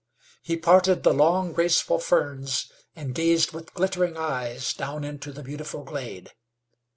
He parted the long, graceful ferns and gazed with glittering eyes down into the beautiful glade.